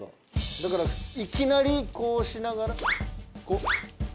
だからいきなりこうしながらこう。